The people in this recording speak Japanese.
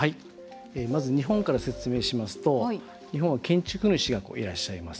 まず日本から説明しますと日本は建築主がいらっしゃいます。